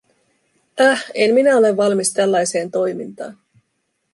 Äh, en minä ole valmis tällaiseen toimintaan.